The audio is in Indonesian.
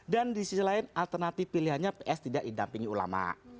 dan di sisi lain alternatif pilihannya ps tidak didampingi ulama